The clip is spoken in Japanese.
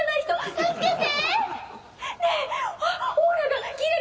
・助けて！